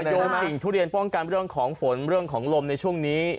โยมสิ่งทุเรียนป้องกันเรื่องของฝนเรื่องของลมในช่วงนี้